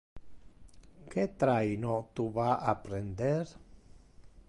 Que traino tu va a prender?